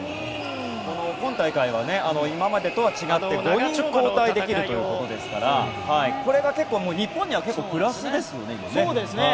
今大会は今までと違って５人交代できるということですからこれが結構日本にはプラスですよね。